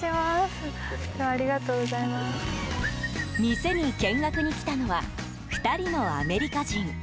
店に見学に来たのは２人のアメリカ人。